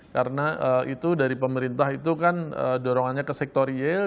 karena itu dari pemerintah itu kan dorongannya ke sektor iel